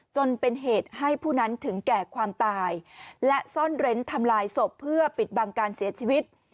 จนเป็นเหตุให้ผู้นั้นถึงแก่ความตายและซ่อนเร้นทำลายศพเพื่อปิดบังการเสียชีวิต